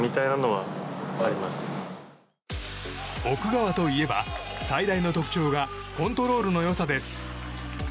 奥川といえば最大の特徴がコントロールの良さです。